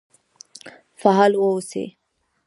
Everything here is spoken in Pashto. فعال و اوسئ